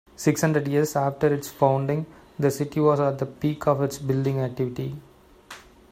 Six hundred years after its founding, the city was at the peak of its building activity.